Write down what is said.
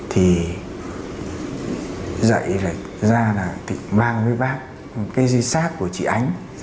thì dậy ra là thịnh mang với bác cái dây sát của chị ánh